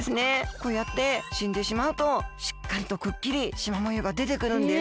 こうやってしんでしまうとしっかりとくっきりしまもようがでてくるんです。